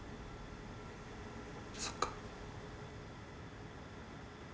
そっか。